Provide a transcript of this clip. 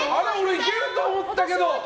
いけると思ったけど。